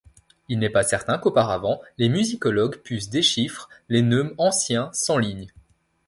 Il n'est pas certain qu'auparavant, les musicologue pussent déchiffre les neumes anciens, sans lignes.